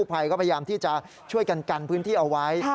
ภัยก็พยายามที่จะช่วยกันกันพื้นที่เอาไว้